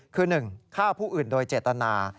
คือ๑ฆ่าผู้อื่นโดยเจตนา